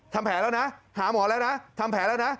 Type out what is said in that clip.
ทำแผลแล้วนะหาหมอแล้วนะทำแผลแล้วนะ